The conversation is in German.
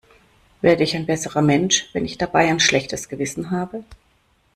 Werde ich ein besserer Mensch, wenn ich dabei ein schlechtes Gewissen habe?